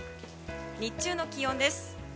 日中の気温です。